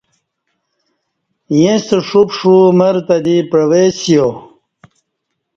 ییں ستہ ݜوپݜو مر تہ دی پعوئسیا